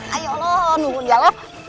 ayo dong nunggu di dalam